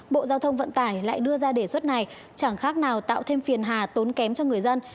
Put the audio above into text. bộ giao thông vận tải lại đưa ra đề xuất này chẳng khác nào tạo thêm phiền hà tốn kém cho người dân